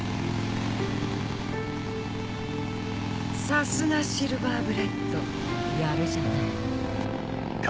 さすがシルバーブレッドやるじゃない